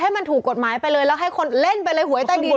ให้มันถูกกฎหมายไปเลยแล้วให้คนเล่นไปเลยหวยใต้ดิน